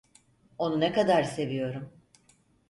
Onu ne kadar seviyorum…